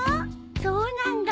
そうなんだ。